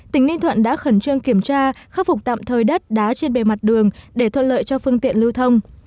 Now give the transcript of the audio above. tỉnh ninh thuận đã khẩn trương kiểm tra khắc phục tạm thời đất đá trên bề mặt đường để thuận lợi cho phương tiện lưu thông